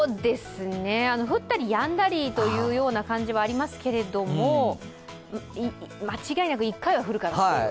降ったりやんだりというような感じはありますけれども間違いなく１回は降るかなという。